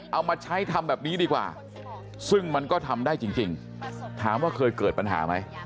เอามาใช้ทำแบบนี้ดีกว่าซึ่งมันก็ทำได้จริงถามว่าเคยเกิดปัญหาไหม